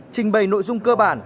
trình bày nội dung cơ bản